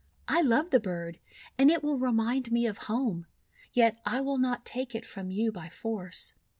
I love the bird, and it will remind me of home. Yet I will not take it from you by force."